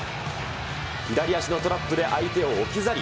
左足のトラップで相手を置き去り。